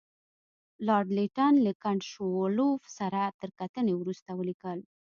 لارډ لیټن له کنټ شووالوف سره تر کتنې وروسته ولیکل.